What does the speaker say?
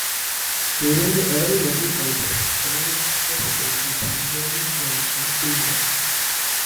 During the Early Middle Ages communities were split between bondmen and freemen.